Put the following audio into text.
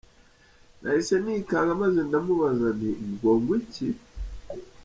Nahise nikanga maze ndamubaza nti ngo ngw’iki?